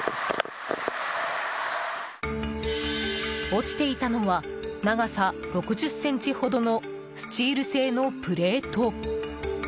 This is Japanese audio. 落ちていたのは長さ６０ｃｍほどのスチール製のプレート。